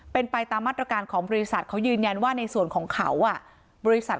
เป็นไปตามมาตรการของบริษัทเขายืนยันว่าในส่วนของเขาบริษัท